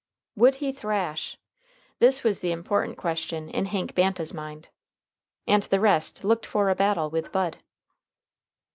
"Would he thrash?" This was the important question in Hank Banta's mind. And the rest looked for a battle with Bud.